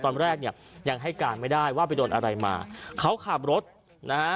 ตอนแรกเนี่ยยังให้การไม่ได้ว่าไปโดนอะไรมาเขาขับรถนะฮะ